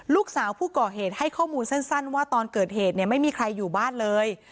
ลูกสาวผู้ก่อเหตุให้ข้อมูลสั้นว่าตอนเกิดเหตุเนี่ยไม่มีใครอยู่บ้านเลย